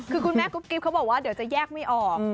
คือคุณแม่กุ๊บกิ๊บเขาบอกว่าเดี๋ยวจะแยกไม่ออก